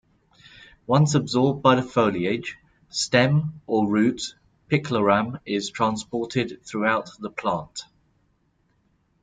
Once absorbed by the foliage, stem, or roots, picloram is transported throughout the plant.